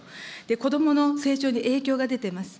こどもの成長に影響が出てます。